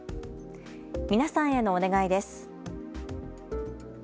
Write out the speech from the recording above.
皆さんへのお願いです。